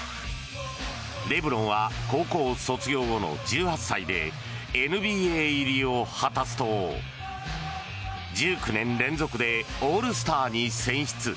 レブロンは高校卒業後の１８歳でＮＢＡ入りを果たすと１９年連続でオールスターに選出。